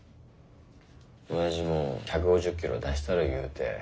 おやじも１５０キロ出したる言うて。